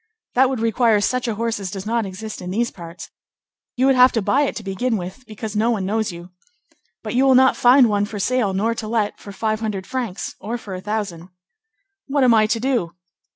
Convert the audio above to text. "That would require such a horse as does not exist in these parts. You would have to buy it to begin with, because no one knows you. But you will not find one for sale nor to let, for five hundred francs, or for a thousand." "What am I to do?"